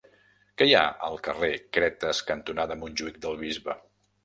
Què hi ha al carrer Cretes cantonada Montjuïc del Bisbe?